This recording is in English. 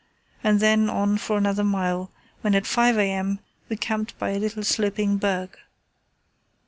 and then on for another mile, when at 5 a.m. we camped by a little sloping berg.